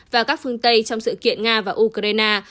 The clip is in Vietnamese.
và các phương tây trong sự kiện nga và ukraine